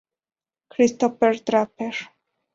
Christopher Draper.